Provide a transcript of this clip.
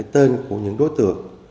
tên của những đối tượng